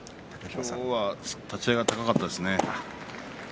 今日は立ち合いが高かったですね。